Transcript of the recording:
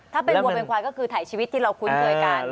ถ้าเป็นวัวเป็นควายก็คือถ่ายชีวิตที่เราคุ้นเคยกัน